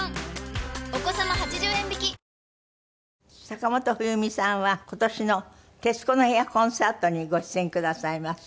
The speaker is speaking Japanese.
坂本冬美さんは今年の「徹子の部屋」コンサートにご出演くださいます。